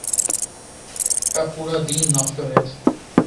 একটা পুরো দিন নষ্ট হয়েছে।